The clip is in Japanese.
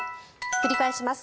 繰り返します。